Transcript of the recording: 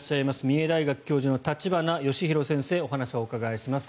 三重大学教授の立花義裕先生にお話を伺います。